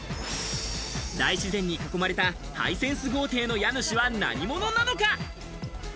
大自然に囲まれたハイセンス豪邸の家主は何者なのか？